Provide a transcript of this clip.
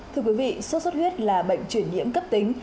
thưa quý vị suốt suốt huyết là bệnh chuyển nhiễm cấp tính